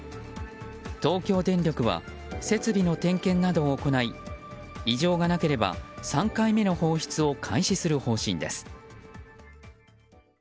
東京電力は設備の点検などを行い異常がなければ、３回目の放出を開始する方針です。